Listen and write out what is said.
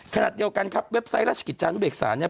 ขณะเดียวกันครับเว็บไซต์ราชกิจจานุเบกษาเนี่ย